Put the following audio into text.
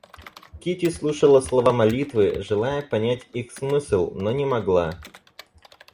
Кити слушала слова молитвы, желая понять их смысл, но не могла.